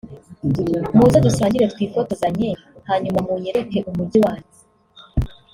muze dusangire twifotozanye hanyuma munyereke umujyi wanyu